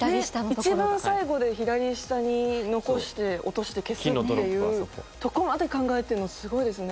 一番最後で左下に残して落として消すっていうとこまで考えてるのすごいですね。